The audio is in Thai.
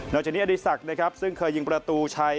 นอกจากนี้อดิสักซึ่งเคยยิงประตูชัย